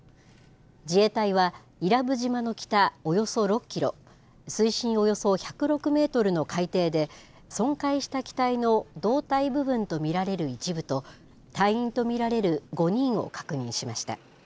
自衛隊は、伊良部島の北およそ６キロ、水深およそ１０６メートルの海底で、損壊した機体の胴体部分と見られる一部と、隊員と見られる５人を確認しました。